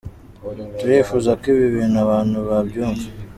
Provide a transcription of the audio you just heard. Turifuza ko ibi bintu abantu babyumva”.